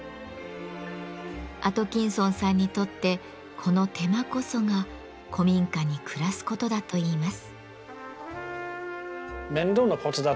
アトキンソンさんにとってこの手間こそが古民家に暮らすことだといいます。